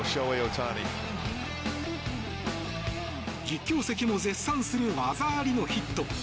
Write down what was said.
実況席も絶賛する技ありのヒット。